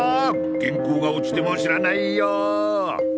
原稿が落ちても知らないよぉ。